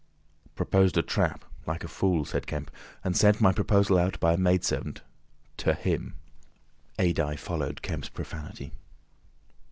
"Proposed a trap—like a fool," said Kemp, "and sent my proposal out by a maid servant. To him." Adye followed Kemp's profanity.